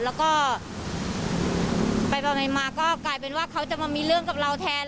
แล้วก็ไปมาก็กลายเป็นว่าเขาจะมามีเรื่องกับเราแทน